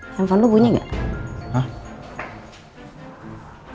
telepon lo bunyi gak